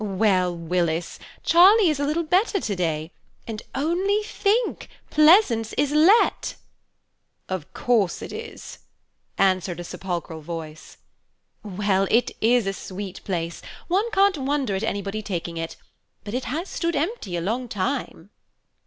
Well, Willis, Charlie is a little better to day; and only think, Pleasance is let!" "Of course it is," answered a sepulchral voice. "Well, it is a sweet place! one can't wonder at anybody taking it; but it has stood empty a long time."